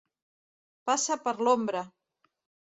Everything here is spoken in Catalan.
Passa per l'ombra!